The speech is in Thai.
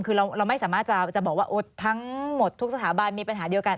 คือเราไม่สามารถจะบอกว่าทั้งหมดทุกสถาบันมีปัญหาเดียวกัน